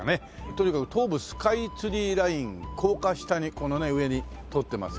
とにかく東武スカイツリーライン高架下にこのね上に通ってますから。